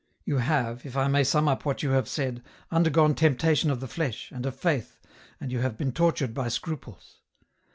" You have, if I may sum up what you have said, under gone temptation of the flesh, and of Faith, and you have been tortured by scruples.